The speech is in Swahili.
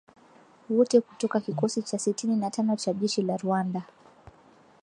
Wote kutoka kikosi cha sitini na tano cha jeshi la Rwanda"